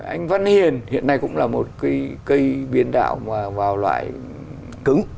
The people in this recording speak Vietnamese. anh văn hiền hiện nay cũng là một cây biên đạo mà vào loại cứng